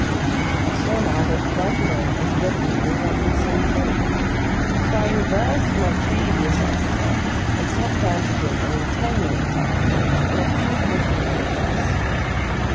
I saw now that 'Right away' and 'Directly' were one and the same thing. So I reversed my previous answer, and sat down to dinner in ten minutes afterwards; and a capital dinner it was.